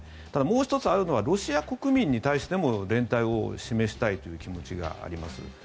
ただ、もう１つあるのはロシア国民に対しても連帯を示したいという気持ちがあります。